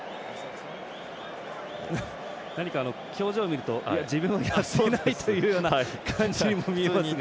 映像を見ると自分はやっていないというような感じにも見えますが。